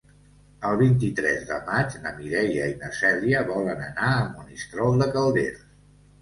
El vint-i-tres de maig na Mireia i na Cèlia volen anar a Monistrol de Calders.